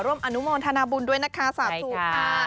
ร่วมอนุมนธนบุญด้วยนะคะสาธารณ์สุขค่ะ